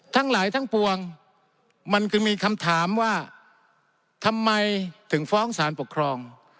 ทั้งหลายทั้งปวงมันคือมีคำถามว่าทำไมถึงฟ้องสารปกครอง